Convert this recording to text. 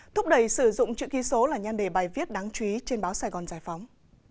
thúc đẩy sử dụng chữ ký số là nhan đề bài viết đáng chú ý trên báo sài gòn giải phóng